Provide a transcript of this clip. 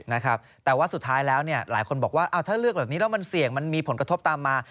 นะครับแต่ว่าสุดท้ายแล้วเนี่ยหลายคนบอกว่าถ้าเลือกแบบนี้แล้วมันเสี่ยงมันมีผลกระทบตามมา